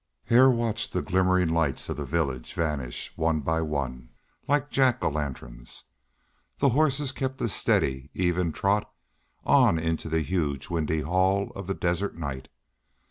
Hare watched the glimmering lights of the village vanish one by one, like Jack o' lanterns. The horses kept a steady, even trot on into the huge windy hall of the desert night.